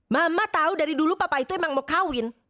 mama tahu dari dulu papa itu emang mau kawin